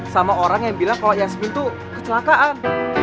sama orang yang bilang kalau yasmin itu kecelakaan